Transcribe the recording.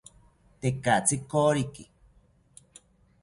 Tekatzi koriki